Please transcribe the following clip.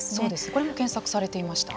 これも検索されていました。